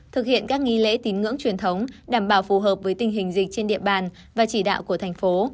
thực hiện các nghi lễ tín ngưỡng truyền thống đảm bảo phù hợp với tình hình dịch trên địa bàn và chỉ đạo của thành phố